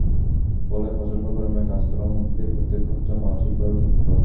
ফলে, প্রচণ্ড গরমে কাজ করার মধ্য দিয়ে প্রত্যেকে হচ্ছেন মানসিকভাবে শক্ত।